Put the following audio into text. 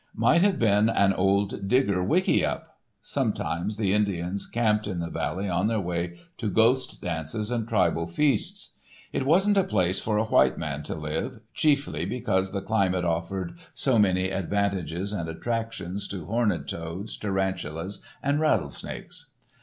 Might have been an old Digger "wicky up." Sometimes the Indians camped in the valley on their way to ghost dances and tribal feasts. It wasn't a place for a white man to live, chiefly because the climate offered so many advantages and attractions to horned toads, tarantulas and rattlesnakes.